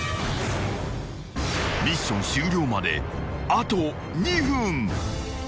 ［ミッション終了まであと２分］